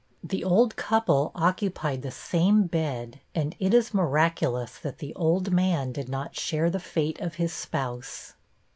The old couple occupied the same bed, and it is miraculous that the old man did not share the fate of his spouse.